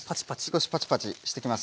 少しパチパチしてきます。